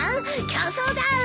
競争だ！